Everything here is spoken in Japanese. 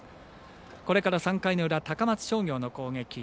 これから３回の裏高松商業の攻撃。